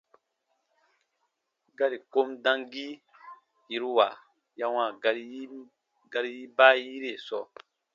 Gari kom temgii yiruwa ya wãa gari baayire sɔɔ.